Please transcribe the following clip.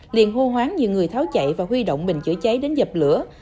liền hô hoán nhiều người tháo chạy và huy động bình chữa cháy đến dập lửa